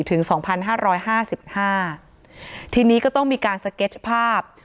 สองพันห้าร้อยห้าสิบห้าทีนี้ก็ต้องมีการสเก็ตภาพ